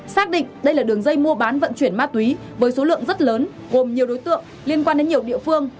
xác định đây là đường dây mua bán vận chuyển ma túy với số lượng rất lớn gồm nhiều đối tượng liên quan đến nhiều địa phương